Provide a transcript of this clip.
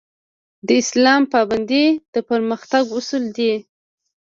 د اسلام پابندي د پرمختګ اصول دي